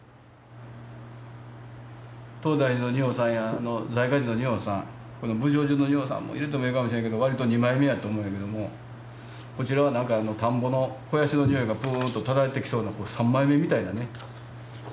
東大寺の仁王さんや財賀寺の仁王さん峰定寺の仁王さんも入れてもええかもしれんけどわりと二枚目やと思うんやけどもこちらは何か田んぼの肥やしのにおいがぷんと漂ってきそうな三枚目みたいなね